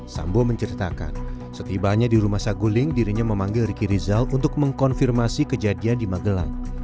sambo menceritakan setibanya di rumah saguling dirinya memanggil riki rizal untuk mengkonfirmasi kejadian di magelang